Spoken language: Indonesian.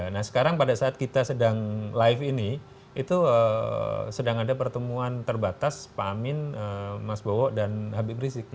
nah sekarang pada saat kita sedang live ini itu sedang ada pertemuan terbatas pak amin mas bowo dan habib rizik